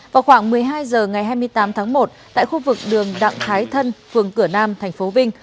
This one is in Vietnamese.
vào khoảng một mươi hai h ngày hai mươi tám tháng một tại khu vực đường đặng thái thân phường cửa nam thành phố vinh